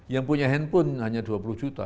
yang punya handphone hanya dua puluh juta